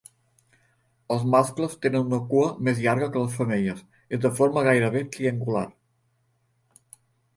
Els mascles tenen una cua més llarga que les femelles, és de forma gairebé triangular.